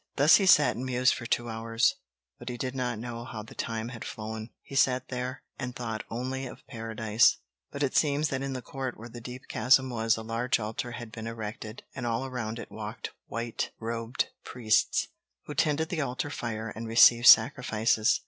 Thus he sat and mused for two hours, but he did not know how the time had flown. He sat there and thought only of Paradise. But it seems that in the court where the deep chasm was, a large altar had been erected, and all around it walked white robed priests, who tended the altar fire and received sacrifices.